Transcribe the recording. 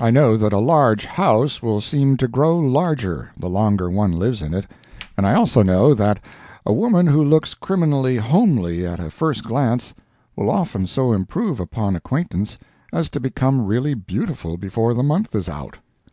I know that a large house will seem to grow larger the longer one lives in it, and I also know that a woman who looks criminally homely at a first glance will often so improve upon acquaintance as to become really beautiful before the month is out.